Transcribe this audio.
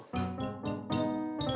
kamu dengerin saya nelfon ya